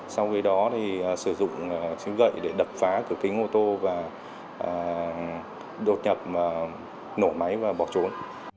sau khi đó thì sử dụng xứ gậy để đập phá cửa kính ô tô và đột nhập nổ máy và bỏ trốn